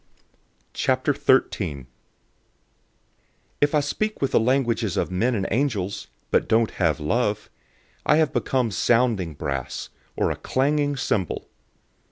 013:001 If I speak with the languages of men and of angels, but don't have love, I have become sounding brass, or a clanging cymbal.